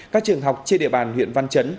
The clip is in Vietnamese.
các trường học trên địa bàn huyện văn chấn